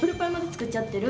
作っちゃってる。